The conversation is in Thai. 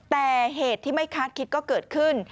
แต่เหตุที่ไม่คาดคิดก็เกิดขึ้น